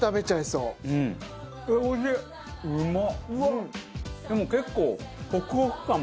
うまっ！